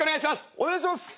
お願いします。